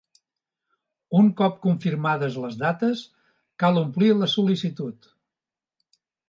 Un cop confirmades les dates, cal omplir la sol·licitud.